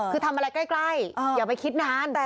คือทำอะไรใกล้อย่าไปคิดนาน